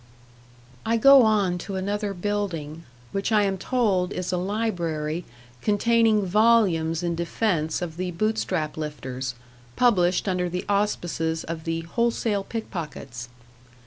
I go on to another building, which I am told is a library containing volumes in defense of the Bootstrap lifters, published under the auspices of the Wholesale Pickpockets.